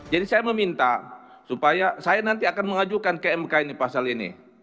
jadi saya meminta supaya saya nanti akan mengajukan ke mk ini pasal ini